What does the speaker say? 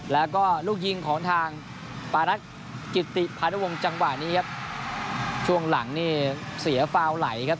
แล้วก็ลูกยิงของทางปารักษ์กิติพานุวงศ์จังหวะนี้ครับช่วงหลังนี่เสียฟาวไหลครับ